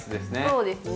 そうですね。